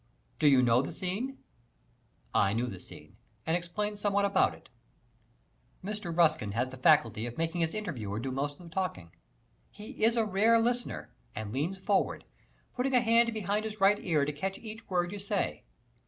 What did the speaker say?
Do you know the scene?" I knew the scene and explained somewhat about it. Mr. Ruskin has the faculty of making his interviewer do most of the talking. He is a rare listener, and leans forward, putting a hand behind his right ear to get each word you say.